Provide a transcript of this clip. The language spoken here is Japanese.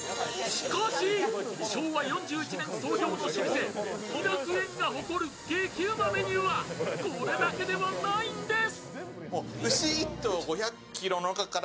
しかし昭和４１年創業の老舗、喜楽園が誇る激うまメニューはこれだけではないんです。